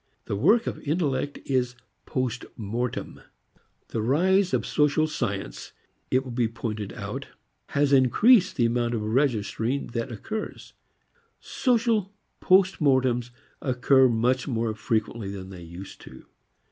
The work of intellect is post mortem. The rise of social science, it will be pointed out, has increased the amount of registering that occurs. Social post mortems occur much more frequently than they used to.